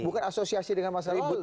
bukan asosiasi dengan masa lalu